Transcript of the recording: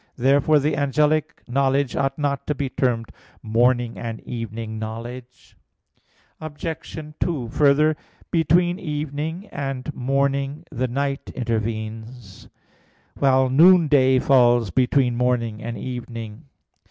Therefore the angelic knowledge ought not to be termed morning and evening knowledge. Obj. 2: Further, between evening and morning the night intervenes; while noonday falls between morning and evening.